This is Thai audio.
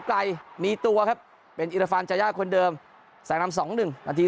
ไกลมีตัวครับเป็นอิราฟานจายาคนเดิมแสงนำสองหนึ่งนาที